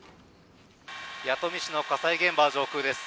弥富市の火災現場上空です。